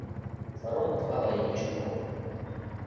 Старому стала яе шкода.